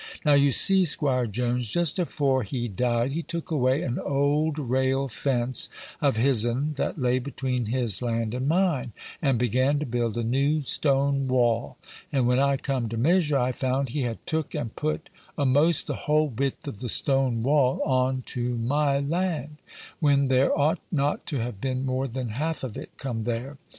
Now, you see, 'Squire Jones, just afore he died, he took away an old rail fence of his'n that lay between his land and mine, and began to build a new stone wall; and when I come to measure, I found he had took and put a'most the whole width of the stone wall on to my land, when there ought not to have been more than half of it come there.